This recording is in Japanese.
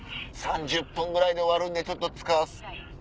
３０分ぐらいで終わるんでちょっと使わせて。